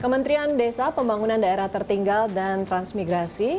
kementerian desa pembangunan daerah tertinggal dan transmigrasi